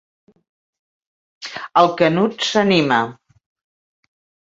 El Canut s'anima.